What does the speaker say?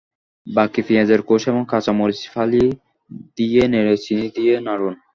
বাকি পেঁয়াজের কোষ এবং কাঁচা মরিচ ফালি দিয়ে নেড়ে চিনি দিয়ে নাড়ুন।